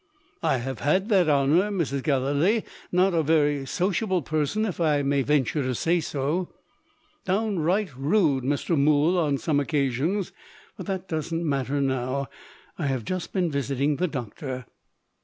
"I have had that honour, Mrs. Gallilee. Not a very sociable person if I may venture to say so." "Downright rude, Mr. Mool, on some occasions. But that doesn't matter now. I have just been visiting the doctor."